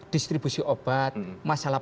distribusi obat masalah